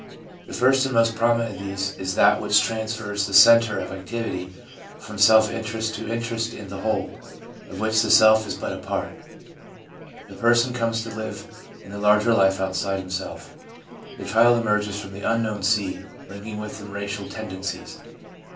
The first and most prominent of these is that which 392 VIEW OF THE LINE OF RELIGIOUS GROWTH 393 transfers the centre of activity from self interest to interest in the whole, of which the self is but a part. The person comes to live in the larger life outside himself. The child emerges from the unknown sea, bringing with him racial tendencies.